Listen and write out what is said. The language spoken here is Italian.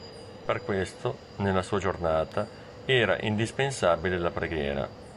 Per questo, nella sua giornata, era indispensabile la preghiera.